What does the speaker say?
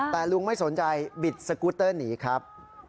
แต่ลุงไม่สนใจบิดสกูตเตอร์หนีครับ